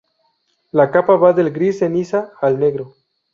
La capa va del gris ceniza al negro.